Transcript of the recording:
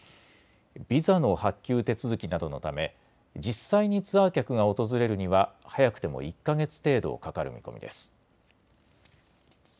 ビザの発給手続きなどのため実際にツアー客が訪れるには早くても１か月程度かかる見込みです。